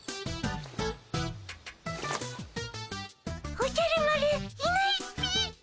おじゃる丸いないっピ。